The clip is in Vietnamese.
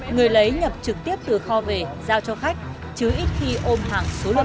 người lấy nhập trực tiếp từ kho về giao cho khách chứ ít khi ôm hàng số lượng lớn